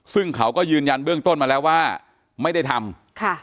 ซึ่งเขาก็ยืนยันเบื้องต้นมาแล้วว่าไม่ได้ทำค่ะ